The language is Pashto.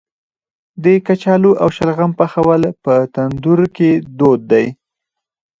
د کچالو او شلغم پخول په تندور کې دود دی.